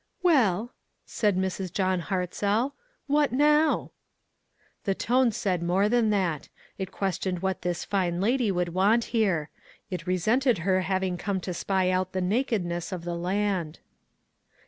" Well," said Mrs. John Hartzell, " what now ?" The tone said more than that ; it ques tioned what this fine lady could want here ; it resented her having come to spy out the nakedness of the land.